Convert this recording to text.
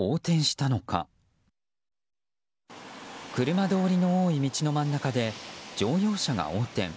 車通りの多い道の真ん中で乗用車が横転。